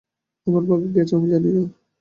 আমার ভাগ্যে কি আছে, আমি জানি না।